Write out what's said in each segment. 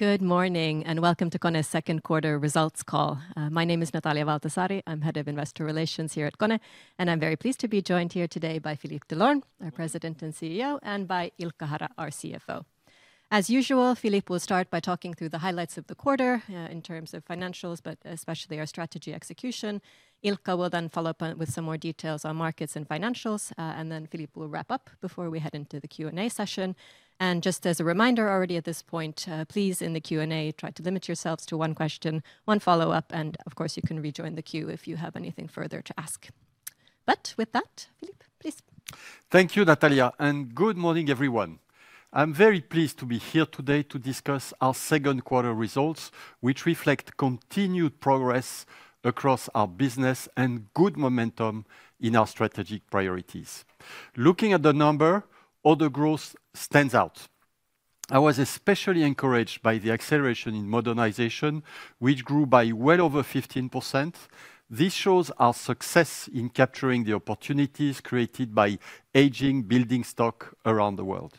Good morning, and welcome to KONE's Second Quarter Results Call. My name is Natalia Valtasaari. I am Head of Investor Relations here at KONE, and I am very pleased to be joined here today by Philippe Delorme, our President and CEO, and by Ilkka Hara, our CFO. As usual, Philippe will start by talking through the highlights of the quarter in terms of financials, but especially our strategy execution. Ilkka will then follow up with some more details on markets and financials, and then Philippe will wrap up before we head into the Q&A session. Just as a reminder already at this point, please, in the Q&A, try to limit yourselves to one question, one follow-up, and of course, you can rejoin the queue if you have anything further to ask. With that, Philippe, please. Thank you, Natalia, and good morning, everyone. I am very pleased to be here today to discuss our second quarter results, which reflect continued progress across our business and good momentum in our strategic priorities. Looking at the number, order growth stands out. I was especially encouraged by the acceleration in modernization, which grew by well over 15%. This shows our success in capturing the opportunities created by aging building stock around the world.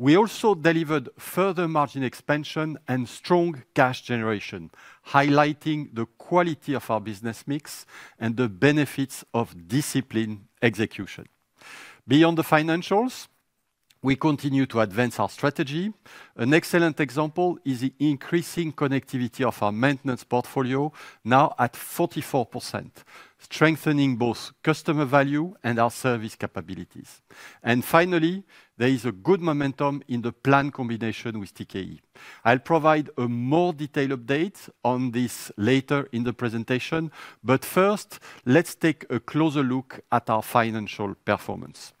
We also delivered further margin expansion and strong cash generation, highlighting the quality of our business mix and the benefits of disciplined execution. Beyond the financials, we continue to advance our strategy. An excellent example is the increasing connectivity of our maintenance portfolio, now at 44%, strengthening both customer value and our service capabilities. Finally, there is a good momentum in the planned combination with TKE. I will provide a more detailed update on this later in the presentation, but first, let us take a closer look at our financial performance.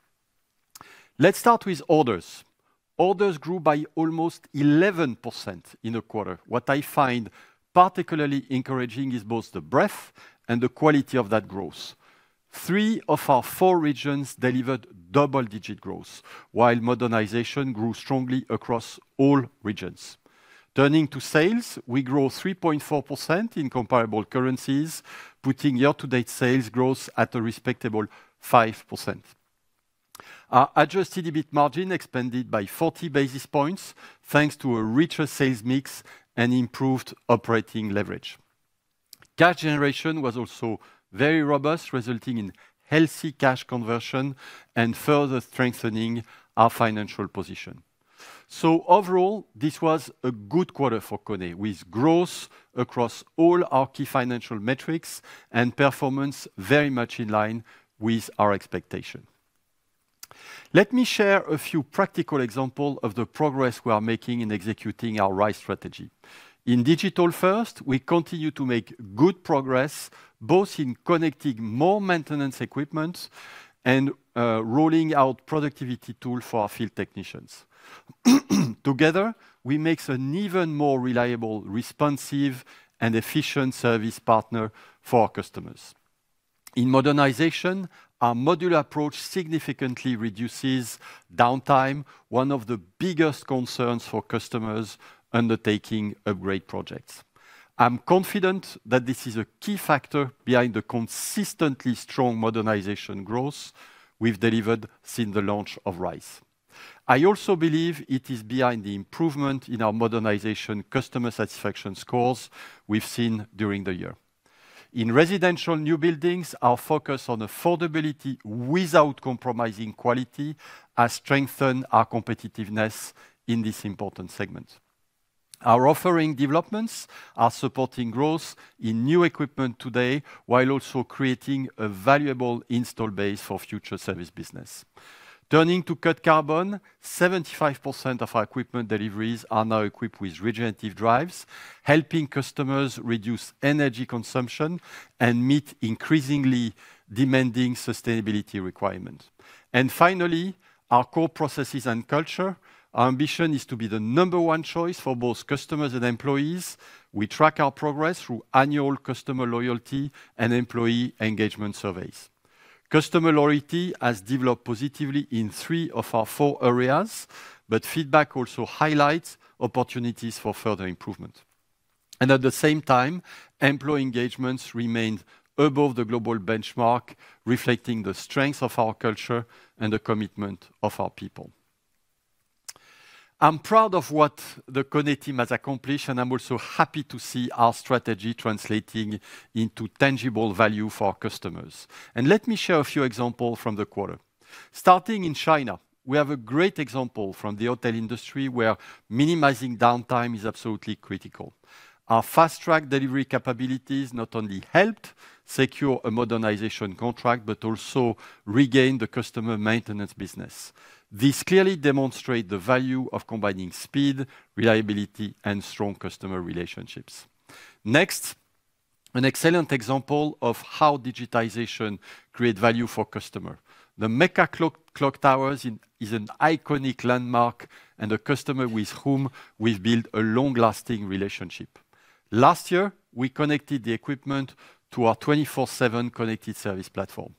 Let us start with orders. Orders grew by almost 11% in a quarter. What I find particularly encouraging is both the breadth and the quality of that growth. Three of our four regions delivered double-digit growth, while modernization grew strongly across all regions. Turning to sales, we grew 3.4% in comparable currencies, putting year-to-date sales growth at a respectable 5%. Our adjusted EBIT margin expanded by 40 basis points, thanks to a richer sales mix and improved operating leverage. Cash generation was also very robust, resulting in healthy cash conversion and further strengthening our financial position. Overall, this was a good quarter for KONE, with growth across all our key financial metrics and performance very much in line with our expectation. Let me share a few practical example of the progress we are making in executing our Rise strategy. In digital first, we continue to make good progress, both in connecting more maintenance equipment and rolling out productivity tool for our field technicians. Together, we makes an even more reliable, responsive, and efficient service partner for our customers. In modernization, our modular approach significantly reduces downtime, one of the biggest concerns for customers undertaking upgrade projects. I am confident that this is a key factor behind the consistently strong modernization growth we have delivered since the launch of Rise. I also believe it is behind the improvement in our modernization customer satisfaction scores we have seen during the year. In residential new buildings, our focus on affordability without compromising quality has strengthened our competitiveness in this important segment. Our offering developments are supporting growth in new equipment today while also creating a valuable install base for future service business. Turning to cut carbon, 75% of our equipment deliveries are now equipped with regenerative drives, helping customers reduce energy consumption and meet increasingly demanding sustainability requirements. Finally, our core processes and culture. Our ambition is to be the number one choice for both customers and employees. We track our progress through annual customer loyalty and employee engagement surveys. Customer loyalty has developed positively in three of our four areas, but feedback also highlights opportunities for further improvement. At the same time, employee engagements remained above the global benchmark, reflecting the strength of our culture and the commitment of our people. I'm proud of what the KONE team has accomplished, and I'm also happy to see our strategy translating into tangible value for our customers. Let me share a few example from the quarter. Starting in China, we have a great example from the hotel industry, where minimizing downtime is absolutely critical. Our fast-track delivery capabilities not only helped secure a modernization contract but also regained the customer maintenance business. This clearly demonstrate the value of combining speed, reliability, and strong customer relationships. Next, an excellent example of how digitization create value for customer. The Makkah Clock Towers is an iconic landmark and a customer with whom we've built a long-lasting relationship. Last year, we connected the equipment to our 24/7 connected service platform.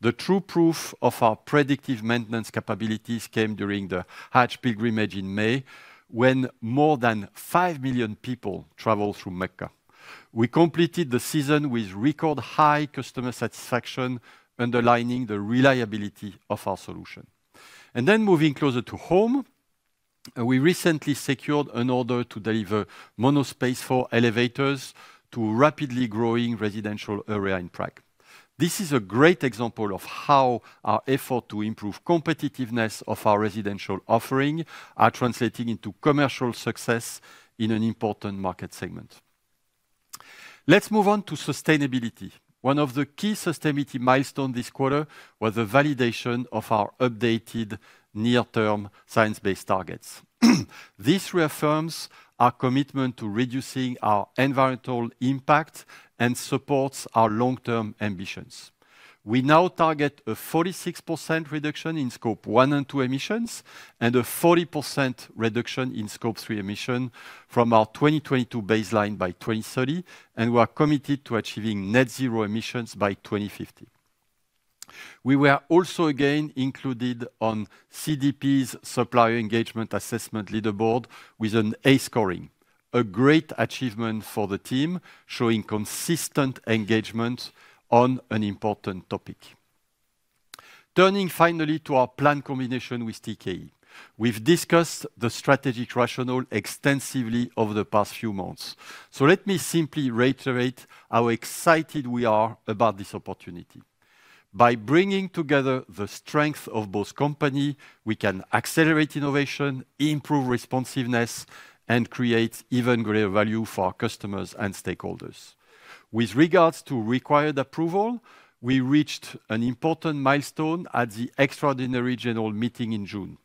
The true proof of our predictive maintenance capabilities came during the Hajj pilgrimage in May, when more than 5 million people traveled through Makkah. We completed the season with record high customer satisfaction, underlining the reliability of our solution. Moving closer to home, we recently secured an order to deliver MonoSpace 4 elevators to a rapidly growing residential area in Prague. This is a great example of how our effort to improve competitiveness of our residential offering are translating into commercial success in an important market segment. Let's move on to sustainability. One of the key sustainability milestone this quarter was the validation of our updated near-term science-based targets. This reaffirms our commitment to reducing our environmental impact and supports our long-term ambitions. We now target a 46% reduction in Scope 1 and Scope 2 emissions and a 40% reduction in Scope 3 emission from our 2022 baseline by 2030. We are committed to achieving net zero emissions by 2050. We were also again included on CDP's Supplier Engagement Assessment Leaderboard with an A scoring, a great achievement for the team, showing consistent engagement on an important topic. Turning finally to our planned combination with TKE. We've discussed the strategic rationale extensively over the past few months. Let me simply reiterate how excited we are about this opportunity. By bringing together the strength of both company, we can accelerate innovation, improve responsiveness, and create even greater value for our customers and stakeholders. With regards to required approval, we reached an important milestone at the extraordinary general meeting in June.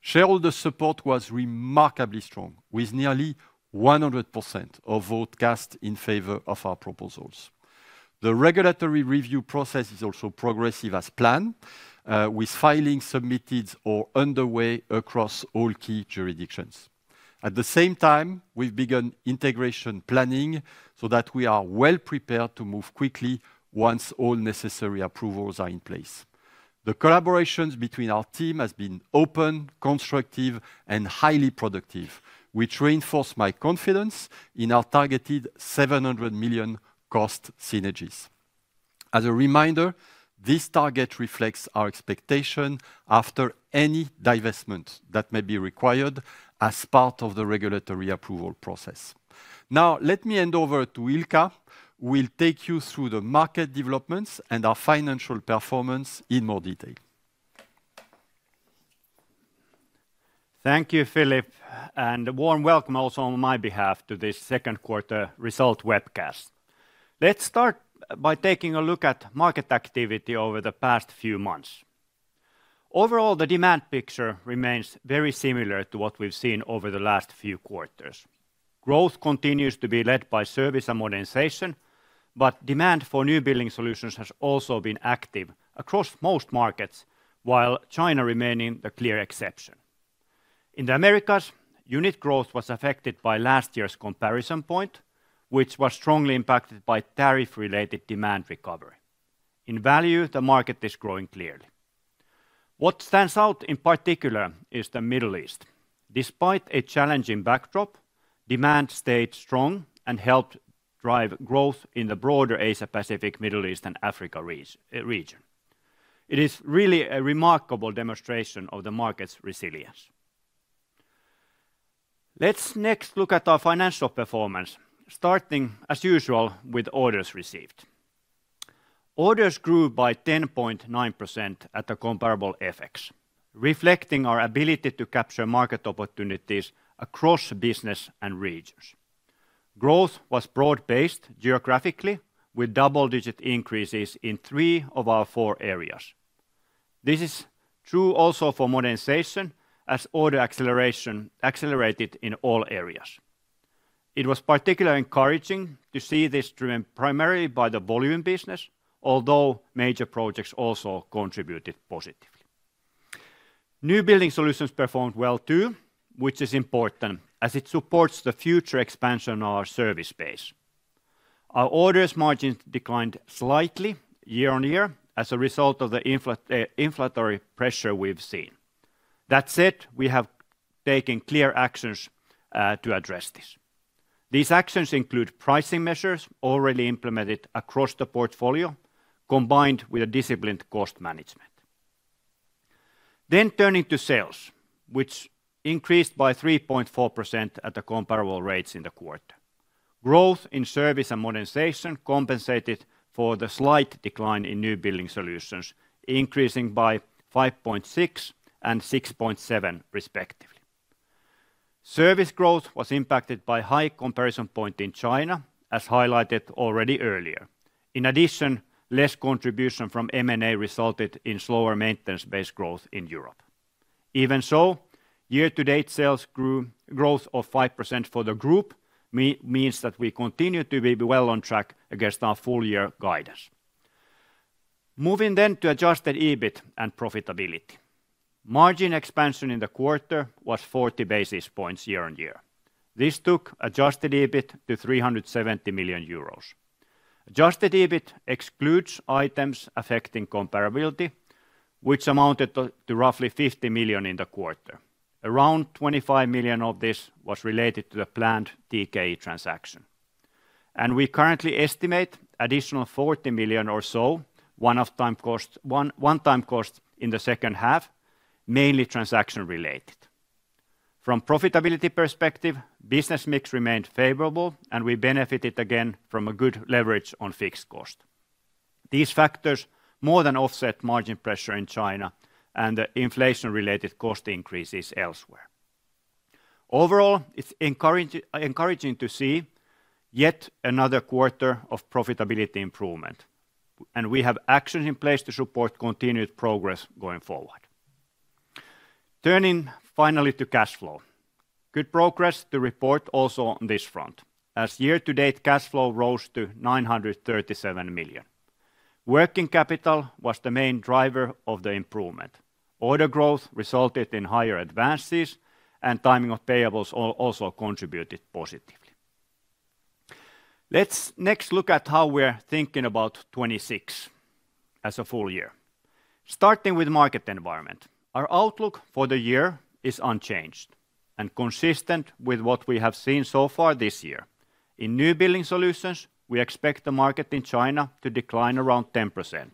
Shareholder support was remarkably strong, with nearly 100% of vote cast in favor of our proposals. The regulatory review process is also progressive as planned, with filings submitted or underway across all key jurisdictions. At the same time, we've begun integration planning so that we are well prepared to move quickly once all necessary approvals are in place. The collaborations between our team has been open, constructive, and highly productive, which reinforce my confidence in our targeted 700 million cost synergies. As a reminder, this target reflects our expectation after any divestment that may be required as part of the regulatory approval process. Now, let me hand over to Ilkka, who will take you through the market developments and our financial performance in more detail. Thank you, Philippe, and a warm welcome also on my behalf to this second quarter result webcast. Let's start by taking a look at market activity over the past few months. Overall, the demand picture remains very similar to what we've seen over the last few quarters. Growth continues to be led by service and modernization, but demand for New Building Solutions has also been active across most markets, while China remaining the clear exception. In the Americas, unit growth was affected by last year's comparison point, which was strongly impacted by tariff-related demand recovery. In value, the market is growing clearly. What stands out in particular is the Middle East. Despite a challenging backdrop, demand stayed strong and helped drive growth in the broader Asia-Pacific, Middle East, and Africa region. It is really a remarkable demonstration of the market's resilience. Let's next look at our financial performance, starting as usual with orders received. Orders grew by 10.9% at the comparable FX, reflecting our ability to capture market opportunities across business and regions. Growth was broad-based geographically, with double-digit increases in three of our four areas. This is true also for modernization as order acceleration accelerated in all areas. It was particularly encouraging to see this driven primarily by the volume business, although major projects also contributed positively. New Building Solutions performed well, too, which is important as it supports the future expansion of our service base. Our orders margins declined slightly year-on-year as a result of the inflationary pressure we've seen. That said, we have taken clear actions to address this. These actions include pricing measures already implemented across the portfolio, combined with a disciplined cost management. Turning to sales, which increased by 3.4% at the comparable rates in the quarter. Growth in service and modernization compensated for the slight decline in New Building Solutions, increasing by 5.6% and 6.7% respectively. Service growth was impacted by high comparison point in China, as highlighted already earlier. In addition, less contribution from M&A resulted in slower maintenance-based growth in Europe. Even so, year-to-date sales growth of 5% for the group means that we continue to be well on track against our full-year guidance. Moving then to adjusted EBIT and profitability. Margin expansion in the quarter was 40 basis points year-on-year. This took adjusted EBIT to 370 million euros. Adjusted EBIT excludes items affecting comparability, which amounted to roughly 50 million in the quarter. Around 25 million of this was related to the planned TKE transaction. We currently estimate additional 40 million or so one-time cost in the second half, mainly transaction related. From profitability perspective, business mix remained favorable and we benefited again from a good leverage on fixed cost. These factors more than offset margin pressure in China and the inflation-related cost increases elsewhere. It's encouraging to see yet another quarter of profitability improvement, and we have actions in place to support continued progress going forward. Turning finally to cash flow. Good progress to report also on this front, as year-to-date cash flow rose to 937 million. Working capital was the main driver of the improvement. Order growth resulted in higher advances and timing of payables also contributed positively. Let's next look at how we're thinking about 2026 as a full year. Starting with market environment. Our outlook for the year is unchanged and consistent with what we have seen so far this year. In New Building Solutions, we expect the market in China to decline around 10%.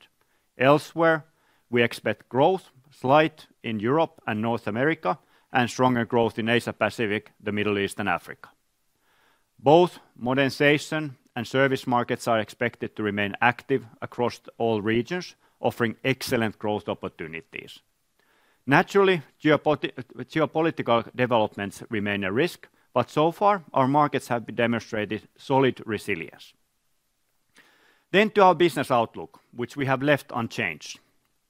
Elsewhere, we expect growth slight in Europe and North America, and stronger growth in Asia-Pacific, the Middle East, and Africa. Both modernization and service markets are expected to remain active across all regions, offering excellent growth opportunities. Naturally, geopolitical developments remain a risk, but so far our markets have demonstrated solid resilience. To our business outlook, which we have left unchanged.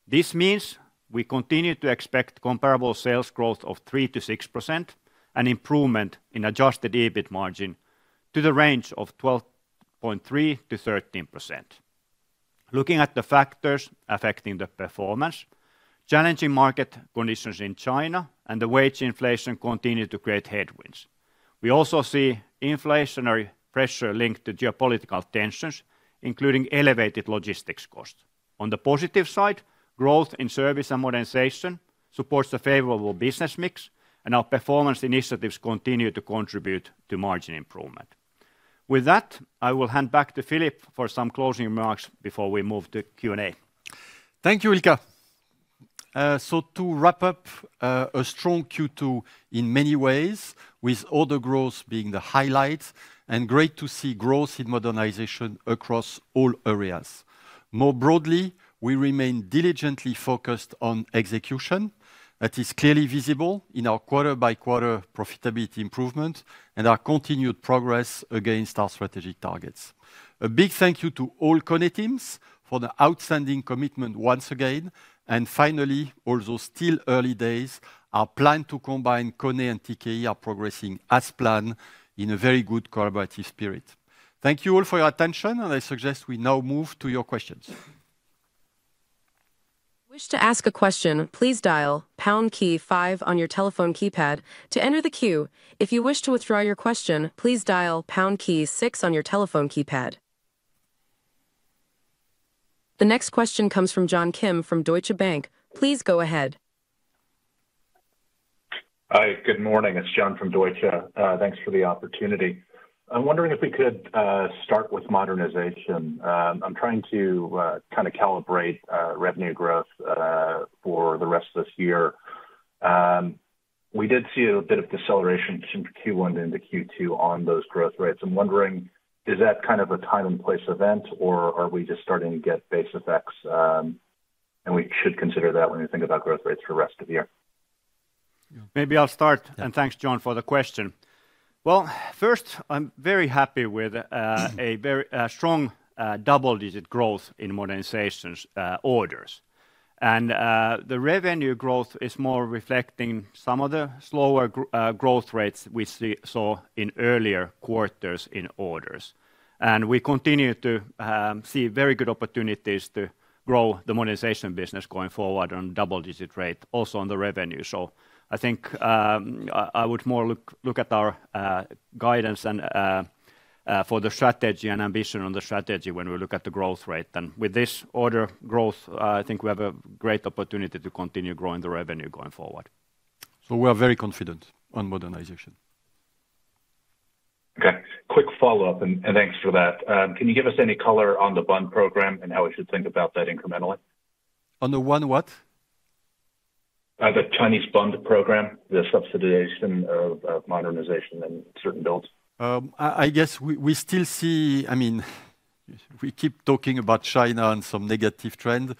This means we continue to expect comparable sales growth of 3%-6%, an improvement in adjusted EBIT margin to the range of 12.3%-13%. Looking at the factors affecting the performance, challenging market conditions in China and the wage inflation continue to create headwinds. We also see inflationary pressure linked to geopolitical tensions, including elevated logistics costs. On the positive side, growth in service and modernization supports the favorable business mix, and our performance initiatives continue to contribute to margin improvement. With that, I will hand back to Philippe for some closing remarks before we move to Q&A. Thank you, Ilkka. To wrap up a strong Q2 in many ways with order growth being the highlight, and great to see growth in modernization across all areas. More broadly, we remain diligently focused on execution. That is clearly visible in our quarter-by-quarter profitability improvement and our continued progress against our strategic targets. A big thank you to all KONE teams for the outstanding commitment once again. Finally, although still early days, our plan to combine KONE and TKE are progressing as planned in a very good collaborative spirit. Thank you all for your attention, and I suggest we now move to your questions. If you wish to ask a question, please dial pound key five on your telephone keypad to enter the queue. If you wish to withdraw your question, please dial pound key six on your telephone keypad. The next question comes from John Kim from Deutsche Bank. Please go ahead. Hi, good morning. It's John from Deutsche. Thanks for the opportunity. I'm wondering if we could start with modernization. I'm trying to kind of calibrate revenue growth for the rest of this year. We did see a bit of deceleration from Q1 into Q2 on those growth rates. I'm wondering, is that kind of a time and place event, or are we just starting to get base effects and we should consider that when we think about growth rates for the rest of the year? Maybe I'll start. Thanks, John, for the question. First, I'm very happy with a very strong double-digit growth in modernizations orders. The revenue growth is more reflecting some of the slower growth rates we saw in earlier quarters in orders. We continue to see very good opportunities to grow the modernization business going forward on double-digit rate also on the revenue. I think I would more look at our guidance and for the strategy and ambition on the strategy when we look at the growth rate than with this order growth, I think we have a great opportunity to continue growing the revenue going forward. We are very confident on modernization. Okay. Quick follow-up and thanks for that. Can you give us any color on the bond program and how we should think about that incrementally? On the one what? The Chinese bond program, the subsidization of modernization in certain builds. We keep talking about China and some negative trend.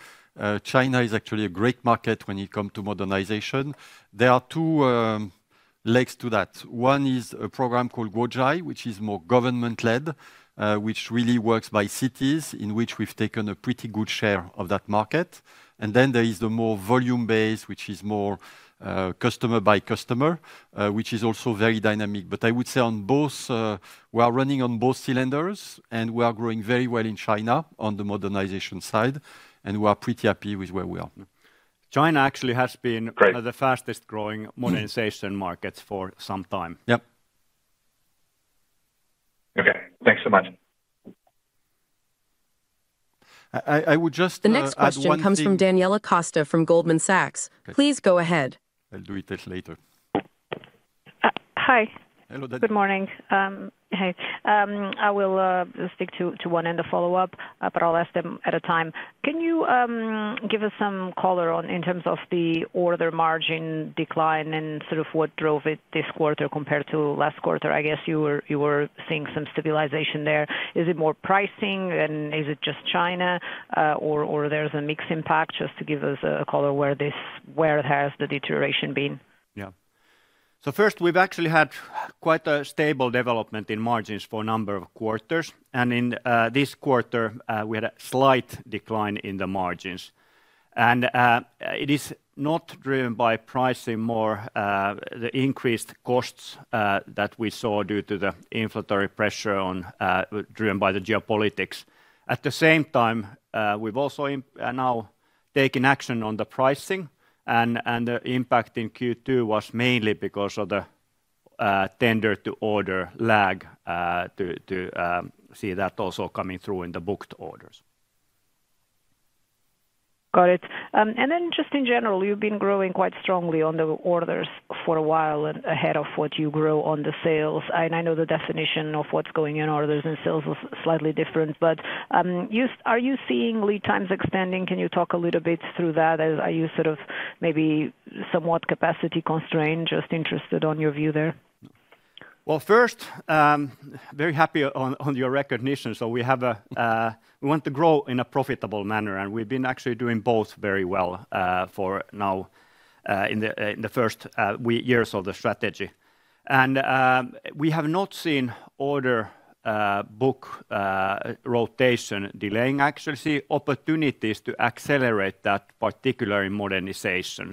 China is actually a great market when it come to modernization. There are two legs to that. One is a program called Guozhai, which is more government led, which really works by cities in which we've taken a pretty good share of that market. There is the more volume-based, which is more customer by customer, which is also very dynamic. I would say we are running on both cylinders, and we are growing very well in China on the modernization side, and we are pretty happy with where we are. China actually. Great China has been one of the fastest growing modernization markets for some time. Yep. Okay. Thanks so much. I would just add one thing. The next question comes from Daniela Costa from Goldman Sachs. Please go ahead. I'll do it later. Hi. Hello, Daniela. Good morning. Hey. I will stick to one and a follow-up, I'll ask them at a time. Can you give us some color in terms of the order margin decline and sort of what drove it this quarter compared to last quarter? I guess you were seeing some stabilization there. Is it more pricing and is it just China, or there's a mixed impact? Just to give us a color where it has the deterioration been. First, we've actually had quite a stable development in margins for a number of quarters. In this quarter, we had a slight decline in the margins. It is not driven by pricing more the increased costs that we saw due to the inflationary pressure driven by the geopolitics. At the same time, we've also now taken action on the pricing and the impact in Q2 was mainly because of the tender to order lag to see that also coming through in the booked orders. Got it. Just in general, you've been growing quite strongly on the orders for a while ahead of what you grow on the sales. I know the definition of what's going in orders and sales was slightly different. Are you seeing lead times expanding? Can you talk a little bit through that as you sort of maybe somewhat capacity constrained? Just interested on your view there. First, very happy on your recognition. We want to grow in a profitable manner, and we've been actually doing both very well for now in the first years of the strategy. We have not seen order book rotation delaying, actually, see opportunities to accelerate that particular modernization.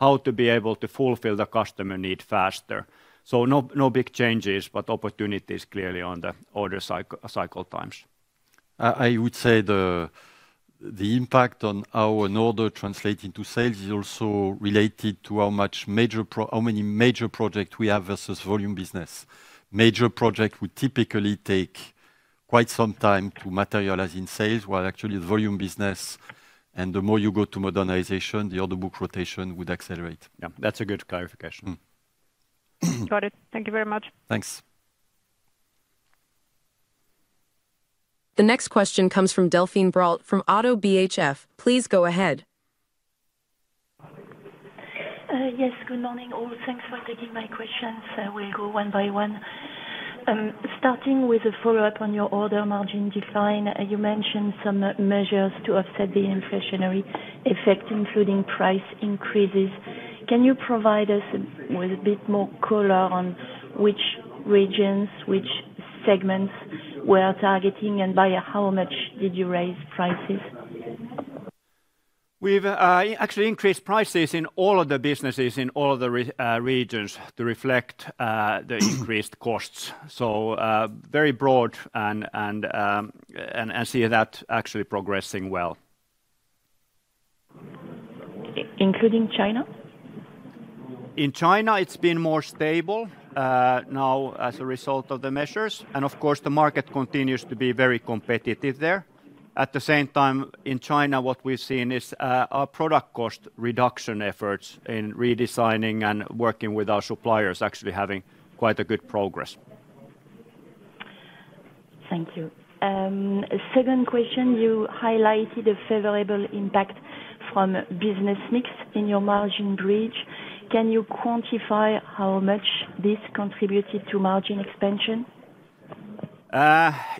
How to be able to fulfill the customer need faster. No big changes, but opportunities clearly on the order cycle times. I would say the impact on how an order translates into sales is also related to how many major project we have versus volume business. Major project would typically take quite some time to materialize in sales, while actually the volume business and the more you go to modernization, the order book rotation would accelerate. Yeah. That's a good clarification. Got it. Thank you very much. Thanks. The next question comes from Delphine Brault from ODDO BHF. Please go ahead. Yes, good morning, all. Thanks for taking my questions. We'll go one by one. Starting with a follow-up on your order margin decline. You mentioned some measures to offset the inflationary effect, including price increases. Can you provide us with a bit more color on which regions, which segments we're targeting, and by how much did you raise prices? We've actually increased prices in all of the businesses in all of the regions to reflect the increased costs. Very broad and see that actually progressing well. Including China? In China, it's been more stable now as a result of the measures. Of course, the market continues to be very competitive there. At the same time, in China, what we've seen is our product cost reduction efforts in redesigning and working with our suppliers, actually having quite a good progress. Thank you. Second question, you highlighted a favorable impact from business mix in your margin bridge. Can you quantify how much this contributed to margin expansion?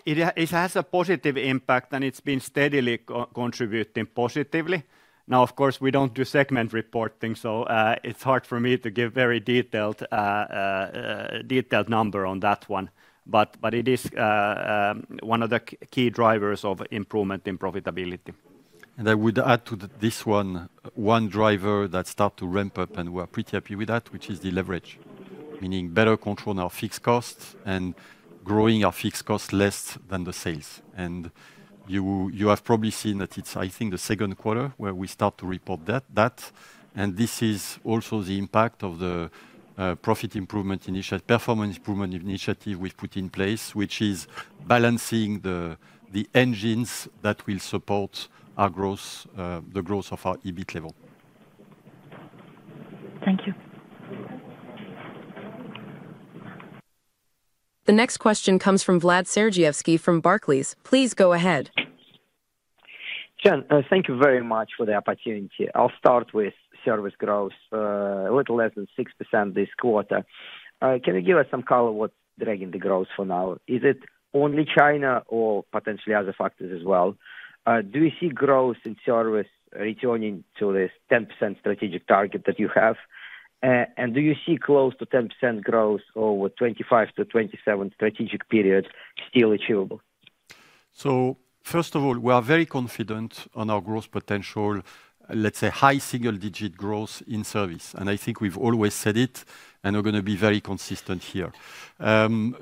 It has a positive impact, it's been steadily contributing positively. Now, of course, we don't do segment reporting, so it's hard for me to give very detailed number on that one. It is one of the key drivers of improvement in profitability. I would add to this one driver that start to ramp up, and we're pretty happy with that, which is the leverage. Meaning better control on our fixed costs and growing our fixed costs less than the sales. You have probably seen that it's, I think the second quarter where we start to report that. This is also the impact of the profit improvement initiative, performance improvement initiative we put in place, which is balancing the engines that will support our growth, the growth of our EBIT level. Thank you. The next question comes from Vlad Sergievskiy from Barclays. Please go ahead. Sean, thank you very much for the opportunity. I'll start with service growth. A little less than 6% this quarter. Can you give us some color what's dragging the growth for now? Is it only China or potentially other factors as well? Do you see growth in service returning to this 10% strategic target that you have? Do you see close to 10% growth over 2025 to 2027 strategic period still achievable? First of all, we are very confident on our growth potential, let's say high single-digit growth in service. I think we've always said it, and we're going to be very consistent here. On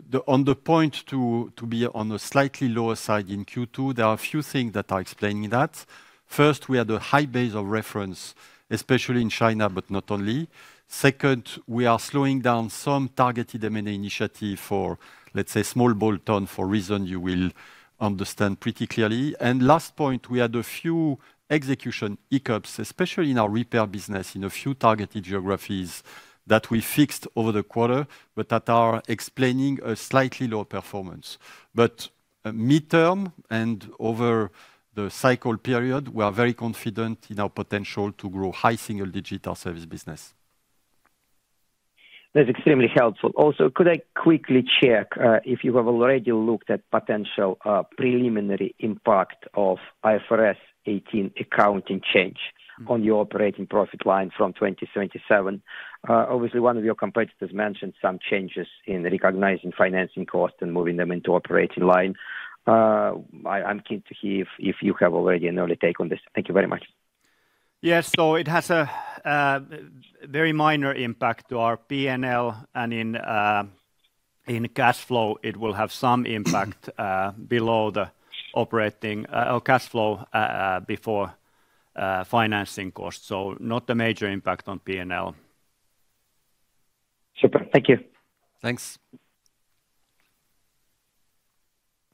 the point to be on a slightly lower side in Q2, there are a few things that are explaining that. First, we had a high base of reference, especially in China, but not only. Second, we are slowing down some targeted M&A initiative for, let's say, small bolt-on for reason you will understand pretty clearly. Last point, we had a few execution hiccups, especially in our repair business in a few targeted geographies that we fixed over the quarter, but that are explaining a slightly lower performance. Midterm and over the cycle period, we are very confident in our potential to grow high single-digit our service business. That's extremely helpful. Also, could I quickly check if you have already looked at potential preliminary impact of IFRS 18 accounting change on your operating profit line from 2027? Obviously, one of your competitors mentioned some changes in recognizing financing costs and moving them into operating line. I am keen to hear if you have already an early take on this. Thank you very much. Yes. It has a very minor impact to our P&L, and in cash flow it will have some impact below the cash flow before financing cost. Not a major impact on P&L. Super. Thank you. Thanks.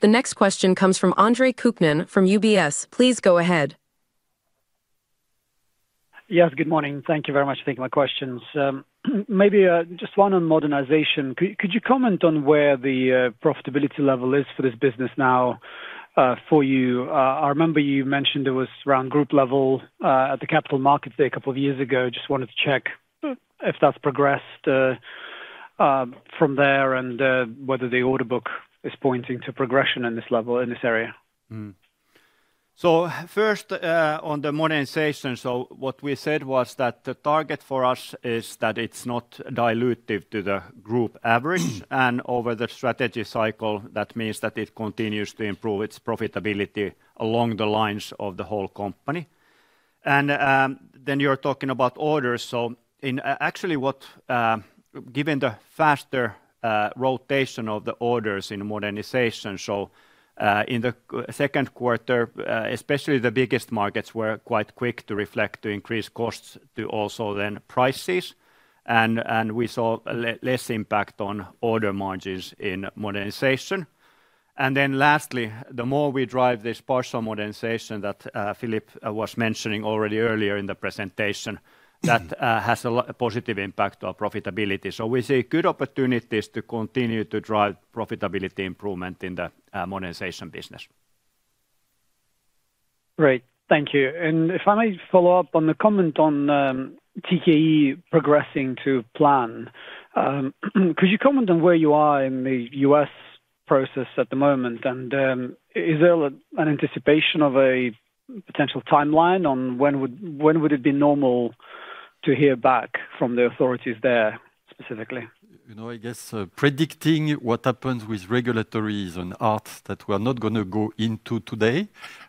The next question comes from Andre Kukhnin from UBS. Please go ahead. Yes, good morning. Thank you very much for taking my questions. Maybe just one on modernization. Could you comment on where the profitability level is for this business now for you? I remember you mentioned it was around group level at the Capital Markets Day a couple of years ago. Just wanted to check if that's progressed from there and whether the order book is pointing to progression in this level, in this area. First, on the modernization. What we said was that the target for us is that it's not dilutive to the group average. Over the strategy cycle, that means that it continues to improve its profitability along the lines of the whole company. Then you're talking about orders. Actually, given the faster rotation of the orders in modernization. In the second quarter, especially the biggest markets were quite quick to reflect, to increase costs to also then prices, and we saw less impact on order margins in modernization. Lastly, the more we drive this partial modernization that Philippe was mentioning already earlier in the presentation, that has a positive impact on profitability. We see good opportunities to continue to drive profitability improvement in the modernization business. Great. Thank you. If I may follow up on the comment on TKE progressing to plan. Could you comment on where you are in the U.S. process at the moment? Is there an anticipation of a potential timeline on when would it be normal to hear back from the authorities there specifically? I guess predicting what happens with regulatories and arts that we are not going to go into today,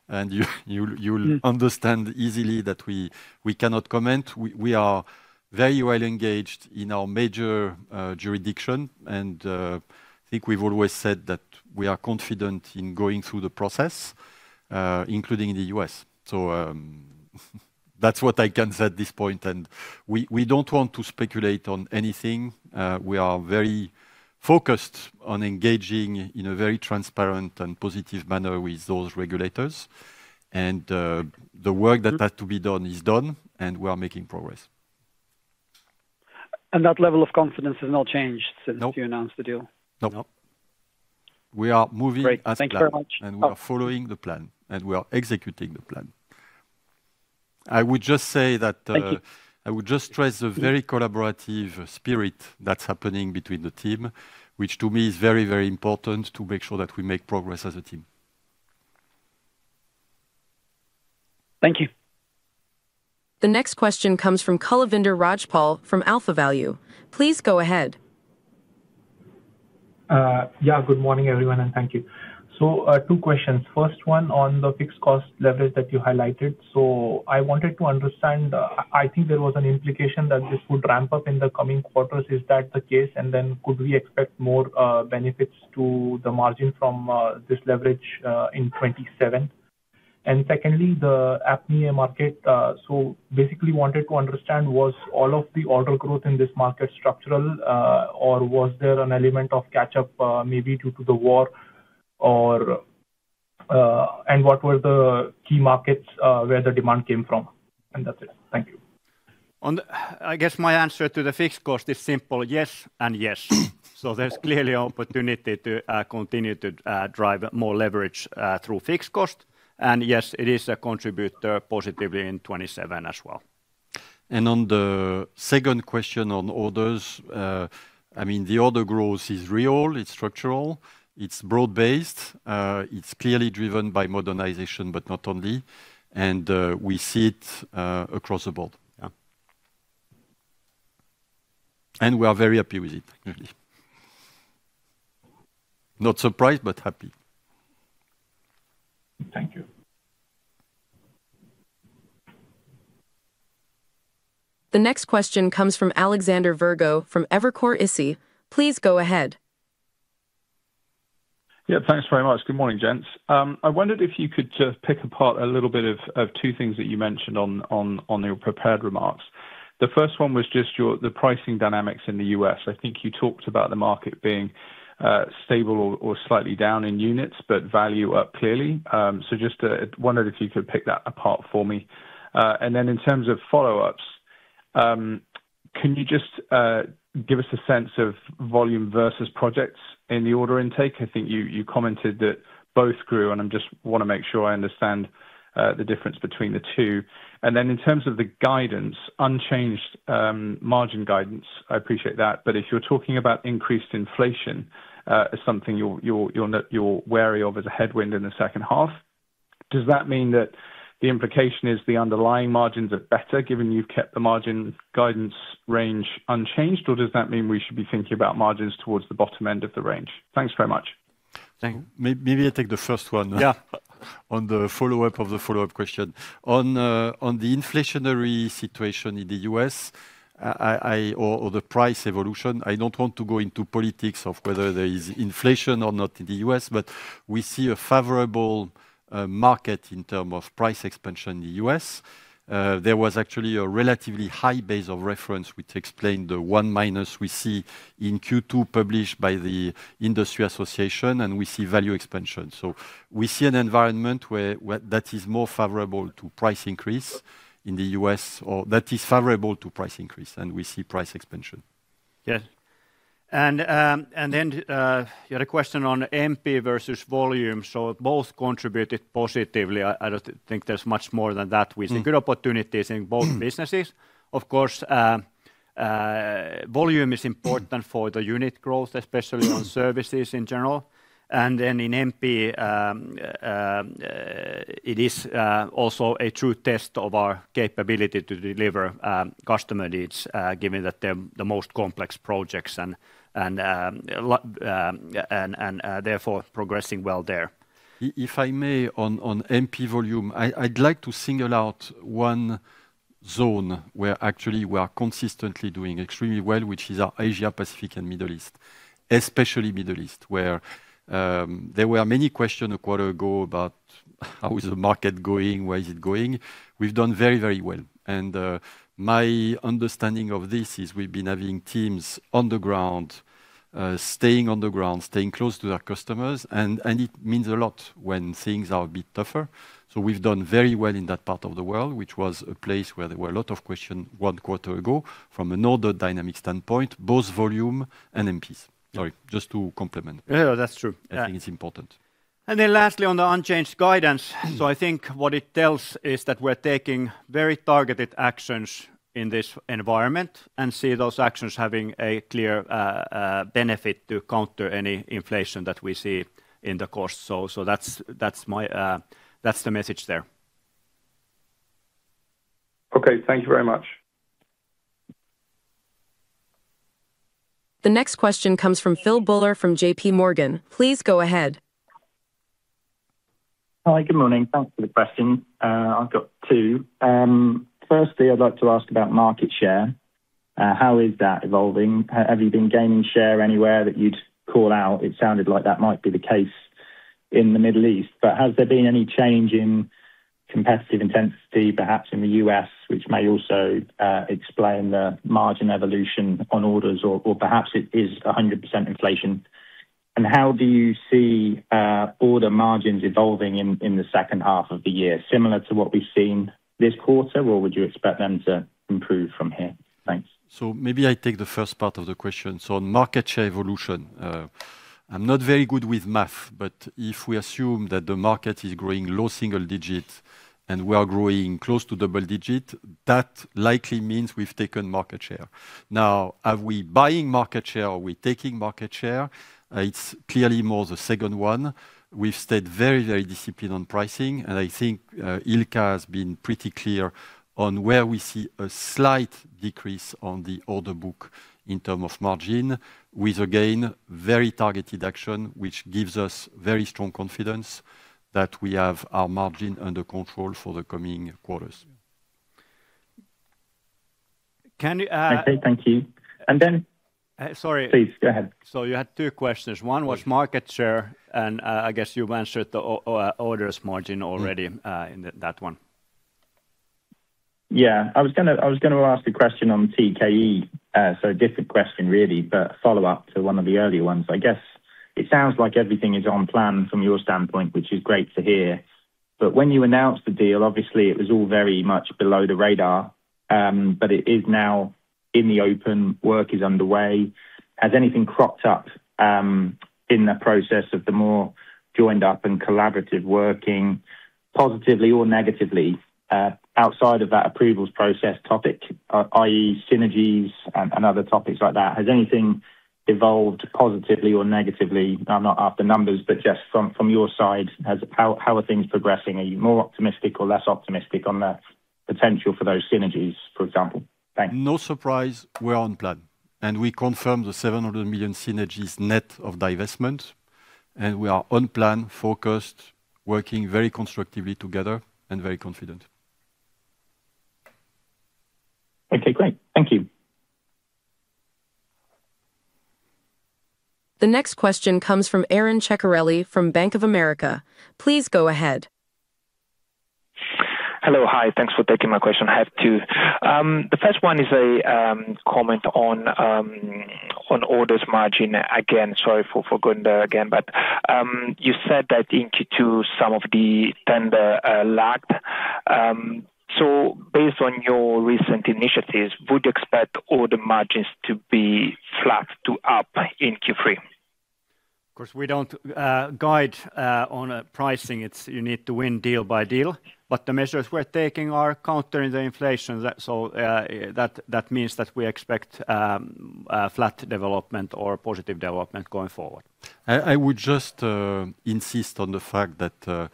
and you'll understand easily that we cannot comment. We are very well engaged in our major jurisdiction, and I think we've always said that we are confident in going through the process, including the U.S. That's what I can say at this point, and we don't want to speculate on anything. We are very focused on engaging in a very transparent and positive manner with those regulators. The work that had to be done is done, and we are making progress. That level of confidence has not changed? No since you announced the deal? No. We are moving as planned. Great. Thank you very much. We are following the plan, and we are executing the plan. Thank you I would just stress the very collaborative spirit that's happening between the team, which to me is very, very important to make sure that we make progress as a team. Thank you. The next question comes from Kulwinder Rajpal from AlphaValue. Please go ahead. Good morning, everyone, and thank you. Two questions. First one on the fixed cost leverage that you highlighted. I wanted to understand, I think there was an implication that this would ramp up in the coming quarters. Is that the case? Then could we expect more benefits to the margin from this leverage in 2027? Secondly, the APMEA market. Basically wanted to understand, was all of the order growth in this market structural, or was there an element of catch-up maybe due to the war? What were the key markets where the demand came from? That's it. Thank you. I guess my answer to the fixed cost is simple. Yes, and yes. There's clearly opportunity to continue to drive more leverage through fixed cost. Yes, it is a contributor positively in 2027 as well. On the second question on orders. The order growth is real, it's structural, it's broad based. It's clearly driven by modernization, but not only, and we see it across the board. We are very happy with it. Not surprised, but happy. Thank you. The next question comes from Alexander Virgo from Evercore ISI. Please go ahead. Thanks very much. Good morning, gents. I wondered if you could just pick apart a little bit of two things that you mentioned on your prepared remarks. The first one was just the pricing dynamics in the U.S. I think you talked about the market being stable or slightly down in units, but value up clearly. Just wondered if you could pick that apart for me. Then in terms of follow-ups, can you just give us a sense of volume versus projects in the order intake? I think you commented that both grew, and I just want to make sure I understand the difference between the two. In terms of the guidance, unchanged margin guidance, I appreciate that, if you're talking about increased inflation as something you're wary of as a headwind in the second half, does that mean that the implication is the underlying margins are better, given you've kept the margin guidance range unchanged? Or does that mean we should be thinking about margins towards the bottom end of the range? Thanks very much. Thank you. Maybe I take the first one. Yeah On the follow-up of the follow-up question. On the inflationary situation in the U.S., or the price evolution, I don't want to go into politics of whether there is inflation or not in the U.S., we see a favorable market in term of price expansion in the U.S. There was actually a relatively high base of reference, which explained the one minus we see in Q2 published by the Industry Association, and we see value expansion. We see an environment where that is more favorable to price increase in the U.S., or that is favorable to price increase, and we see price expansion. Yes. Then, you had a question on MP versus volume. Both contributed positively. I don't think there's much more than that. We see good opportunities in both businesses. Of course, volume is important for the unit growth, especially on services in general. Then in MP, it is also a true test of our capability to deliver customer needs, given that they're the most complex projects and therefore progressing well there. If I may, on MP volume, I'd like to single out one zone where actually we are consistently doing extremely well, which is our Asia, Pacific, and Middle East. Especially Middle East, where there were many question a quarter ago about how is the market going, where is it going. We've done very well. My understanding of this is we've been having teams on the ground, staying on the ground, staying close to their customers, and it means a lot when things are a bit tougher. We've done very well in that part of the world, which was a place where there were a lot of question one quarter ago from an order dynamic standpoint, both volume and MPs. Sorry, just to complement. Yeah. That's true. I think it's important. lastly, on the unchanged guidance. I think what it tells is that we're taking very targeted actions in this environment and see those actions having a clear benefit to counter any inflation that we see in the course. That's the message there. Okay. Thank you very much. The next question comes from Phil Buller from JPMorgan. Please go ahead. Hi. Good morning. Thanks for the question. I've got two. Firstly, I'd like to ask about market share. How is that evolving? Have you been gaining share anywhere that you'd call out? It sounded like that might be the case in the Middle East. Has there been any change in competitive intensity, perhaps in the U.S., which may also explain the margin evolution on orders, or perhaps it is 100% inflation? How do you see order margins evolving in the second half of the year? Similar to what we've seen this quarter, or would you expect them to improve from here? Thanks. Maybe I take the first part of the question. On market share evolution, I'm not very good with math, but if we assume that the market is growing low single-digit and we are growing close to double-digit, that likely means we've taken market share. Are we buying market share? Are we taking market share? It's clearly more the second one. We've stayed very disciplined on pricing, and I think Ilkka has been pretty clear on where we see a slight decrease on the order book in terms of margin with, again, very targeted action, which gives us very strong confidence that we have our margin under control for the coming quarters. Can you- Okay. Thank you. Then- Sorry Please go ahead. You had two questions. One was market share, and I guess you've answered the orders margin already in that one. Yeah. I was going to ask a question on TKE. A different question really, but a follow-up to one of the earlier ones. I guess it sounds like everything is on plan from your standpoint, which is great to hear. When you announced the deal, obviously it was all very much below the radar. It is now in the open. Work is underway. Has anything cropped up in the process of the more joined up and collaborative working, positively or negatively, outside of that approvals process topic, i.e. synergies and other topics like that? Has anything evolved positively or negatively? I'm not after numbers, but just from your side, how are things progressing? Are you more optimistic or less optimistic on potential for those synergies, for example? Thanks. No surprise we're on plan, we confirm the 700 million synergies net of divestment, we are on plan, focused, working very constructively together, and very confident. Okay, great. Thank you. The next question comes from Aron Ceccarelli from Bank of America. Please go ahead. Hello. Hi, thanks for taking my question. I have two. The first one is a comment on orders margin. Again, sorry for going there again. You said that in Q2 some of the tender lagged. Based on your recent initiatives, would you expect order margins to be flat to up in Q3? Of course, we don't guide on pricing. You need to win deal by deal. The measures we're taking are countering the inflation, that means that we expect flat development or positive development going forward. I would just insist on the fact that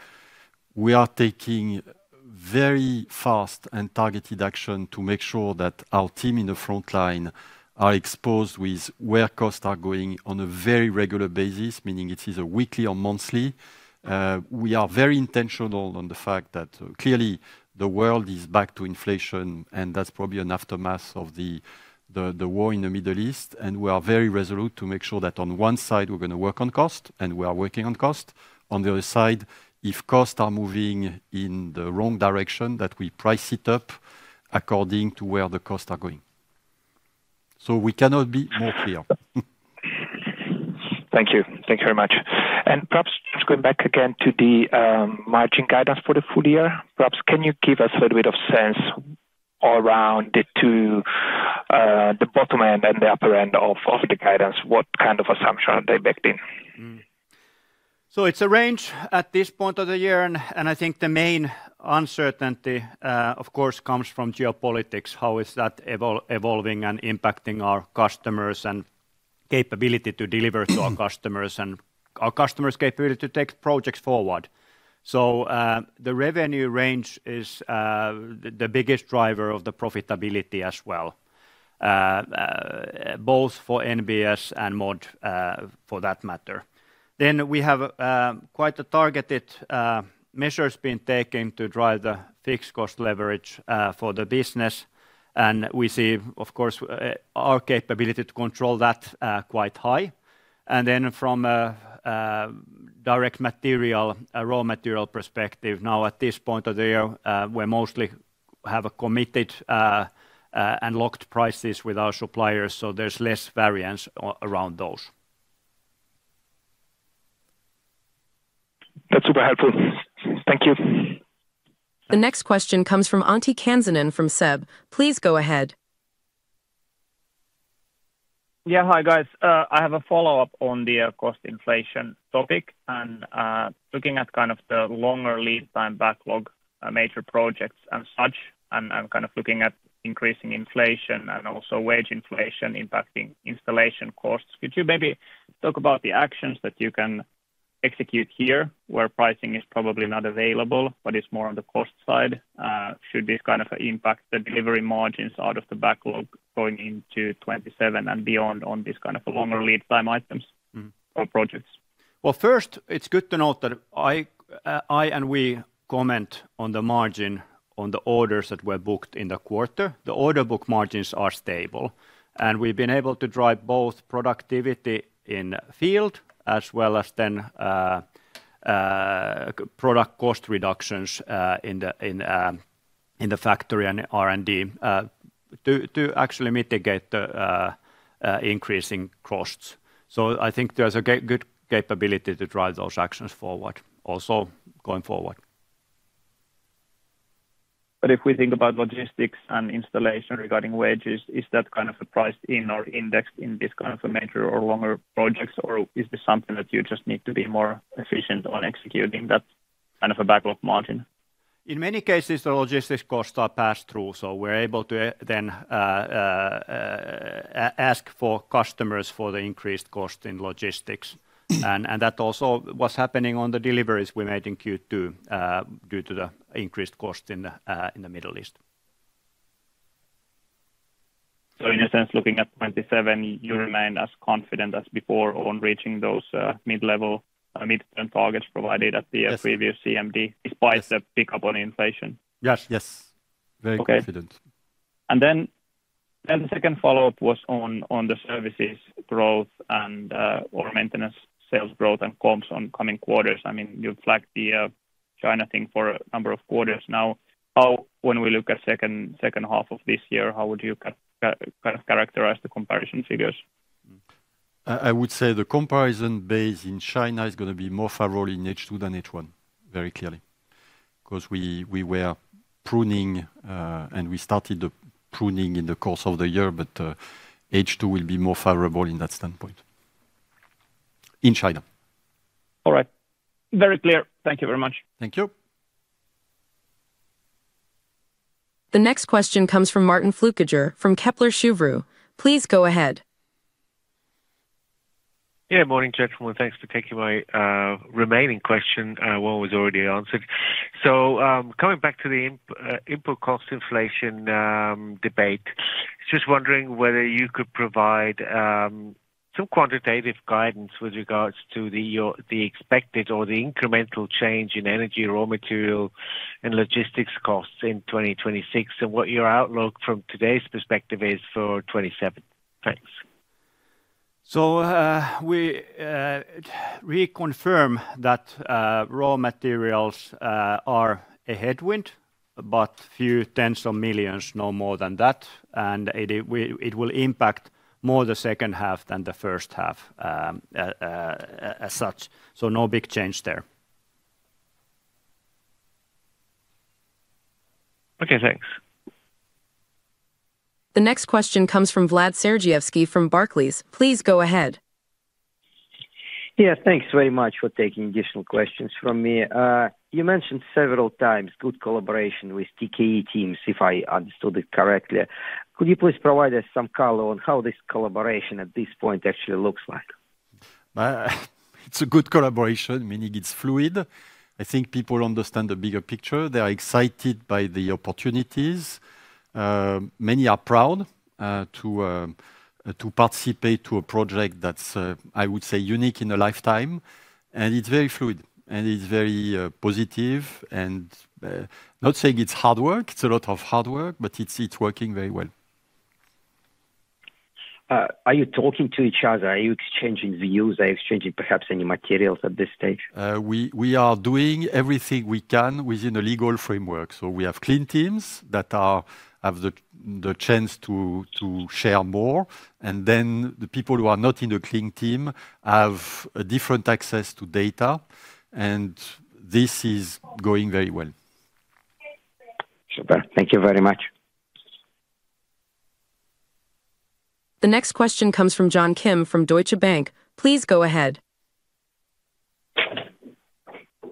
we are taking very fast and targeted action to make sure that our team in the frontline are exposed with where costs are going on a very regular basis, meaning it is weekly or monthly. We are very intentional on the fact that clearly the world is back to inflation, that's probably an aftermath of the war in the Middle East, we are very resolute to make sure that on one side, we're going to work on cost, and we are working on cost. On the other side, if costs are moving in the wrong direction, that we price it up according to where the costs are going. We cannot be more clear. Thank you. Thank you very much. Perhaps just going back again to the margin guidance for the full year. Perhaps can you give us a little bit of sense around the two, the bottom end and the upper end of the guidance, what kind of assumption are they baked in? It's a range at this point of the year, and I think the main uncertainty, of course, comes from geopolitics, how is that evolving and impacting our customers and capability to deliver to our customers, and our customers' capability to take projects forward. The revenue range is the biggest driver of the profitability as well, both for NBS and MOD, for that matter. We have quite a targeted measures being taken to drive the fixed cost leverage for the business, and we see, of course, our capability to control that quite high. From a direct material, raw material perspective, now at this point of the year, we're mostly have committed and locked prices with our suppliers, there's less variance around those. That's super helpful. Thank you. The next question comes from Antti Kansanen from SEB. Please go ahead. Yeah. Hi, guys. I have a follow-up on the cost inflation topic and looking at kind of the longer lead-time backlog, major projects and such. I'm kind of looking at increasing inflation and also wage inflation impacting installation costs. Could you maybe talk about the actions that you can execute here where pricing is probably not available, but it's more on the cost side? Should this kind of impact the delivery margins out of the backlog going into 2027 and beyond on these kind of longer lead-time items or projects? Well, first, it's good to note that I and we comment on the margin on the orders that were booked in the quarter. The order book margins are stable, and we've been able to drive both productivity in field as well as then product cost reductions in the factory and R&D to actually mitigate the increasing costs. I think there's a good capability to drive those actions forward, also going forward. If we think about logistics and installation regarding wages, is that kind of priced in or indexed in this kind of a major or longer projects, or is this something that you just need to be more efficient on executing that kind of a backlog margin? In many cases, the logistics costs are passed through. We're able to then ask for customers for the increased cost in logistics. That also was happening on the deliveries we made in Q2 due to the increased cost in the Middle East. in a sense, looking at 2027 you remain as confident as before on reaching those mid-level, midterm targets provided at the previous CMD Yes despite the pickup on inflation. Yes, yes. Very confident. Okay. The second follow-up was on the services growth and/or maintenance sales growth and comps on coming quarters. You flagged the China thing for a number of quarters now. When we look at second half of this year, how would you characterize the comparison figures? I would say the comparison base in China is going to be more favorable in H2 than H1, very clearly. We were pruning, and we started the pruning in the course of the year, but H2 will be more favorable in that standpoint in China. All right. Very clear. Thank you very much. Thank you. The next question comes from Martin Flueckiger from Kepler Cheuvreux. Please go ahead. Morning, gentlemen. Thanks for taking my remaining question. One was already answered. Coming back to the input cost inflation debate, just wondering whether you could provide some quantitative guidance with regards to the expected or the incremental change in energy, raw material, and logistics costs in 2026, and what your outlook from today's perspective is for 2027. Thanks. We reconfirm that raw materials are a headwind, but few tens of millions, no more than that. It will impact more the second half than the first half as such, no big change there. Okay, thanks. The next question comes from Vlad Sergievskiy from Barclays. Please go ahead. Yeah. Thanks very much for taking additional questions from me. You mentioned several times good collaboration with TKE teams, if I understood it correctly. Could you please provide us some color on how this collaboration at this point actually looks like? It's a good collaboration, meaning it's fluid. I think people understand the bigger picture. They are excited by the opportunities. Many are proud to participate to a project that's, I would say, unique in a lifetime. It's very fluid, and it's very positive. Not saying it's hard work, it's a lot of hard work, but it's working very well. Are you talking to each other? Are you exchanging views? Are you exchanging perhaps any materials at this stage? We are doing everything we can within the legal framework. We have clean teams that have the chance to share more, then the people who are not in the clean team have a different access to data, this is going very well. Super. Thank you very much. The next question comes from John Kim from Deutsche Bank. Please go ahead.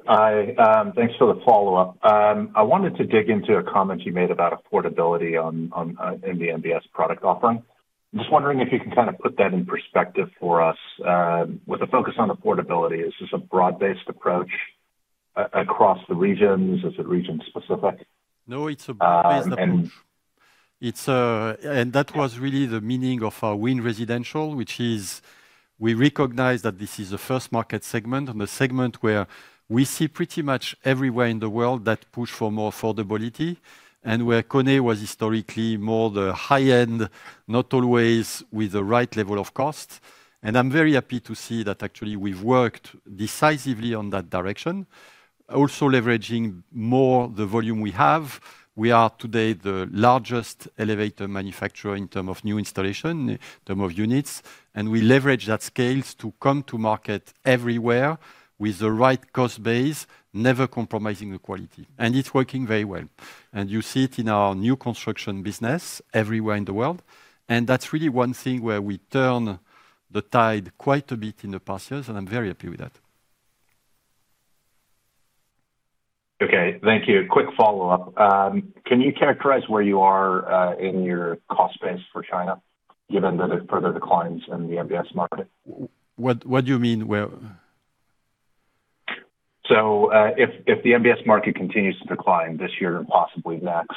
Hi. Thanks for the follow-up. I wanted to dig into a comment you made about affordability in the NBS product offering. I'm just wondering if you can kind of put that in perspective for us, with a focus on affordability. Is this a broad-based approach across the regions? Is it region-specific? No, it's a broad-based approach. And- That was really the meaning of our win residential, which is we recognize that this is the first market segment, and a segment where we see pretty much everywhere in the world that push for more affordability, and where KONE was historically more the high-end, not always with the right level of cost. I'm very happy to see that actually we've worked decisively on that direction, also leveraging more the volume we have. We are today the largest elevator manufacturer in term of new installation, in term of units, and we leverage that scales to come to market everywhere with the right cost base, never compromising the quality. It's working very well. You see it in our new construction business everywhere in the world. That's really one thing where we turn the tide quite a bit in the past years, and I'm very happy with that. Okay, thank you. Quick follow-up. Can you characterize where you are in your cost base for China, given the further declines in the NBS market? What do you mean where? If the NBS market continues to decline this year and possibly next,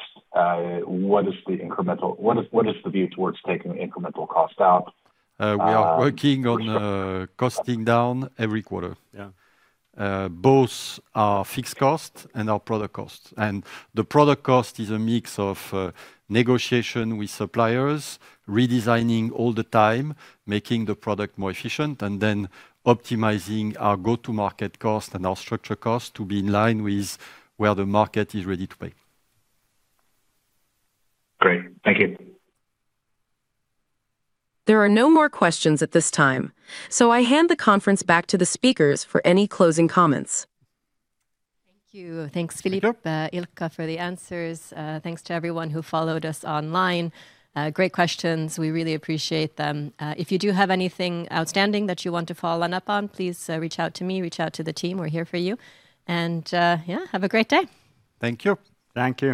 what is the view towards taking the incremental cost out? We are working on costing down every quarter. Yeah. Both our fixed cost and our product cost. The product cost is a mix of negotiation with suppliers, redesigning all the time, making the product more efficient, and then optimizing our go-to market cost and our structure cost to be in line with where the market is ready to pay. Great. Thank you. There are no more questions at this time. I hand the conference back to the speakers for any closing comments. Thank you. Thanks, Philippe, Ilkka, for the answers. Thanks to everyone who followed us online. Great questions. We really appreciate them. If you do have anything outstanding that you want to follow up on, please reach out to me, reach out to the team. We're here for you. Yeah, have a great day. Thank you. Thank you.